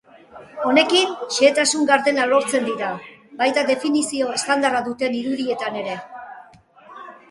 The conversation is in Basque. Honekin, xehetasun gardenak lortzen dira, baita definizio estandarra duten irudietan ere.